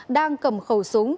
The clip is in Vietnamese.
đang cầm khẩu súng